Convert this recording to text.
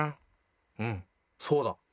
うんそうだ！